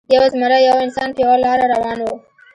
یو زمری او یو انسان په یوه لاره روان وو.